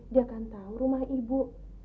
dia akan tahu rumah ibu